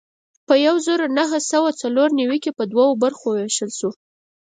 په یو زر نهه سوه څلور نوي کې په دوو برخو وېشل شو.